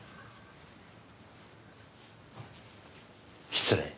失礼。